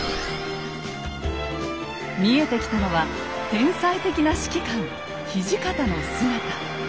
見えてきたのは天才的な指揮官土方の姿。